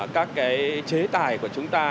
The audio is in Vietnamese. các chế tài của chúng ta